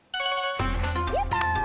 やった！